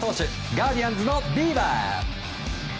ガーディアンズのビーバー。